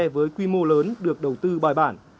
với quy mô lớn được đầu tư bài bản